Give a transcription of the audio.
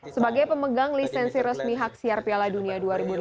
sebagai pemegang lisensi resmi hak siar piala dunia dua ribu delapan belas